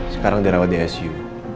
sekarang dirawat di asu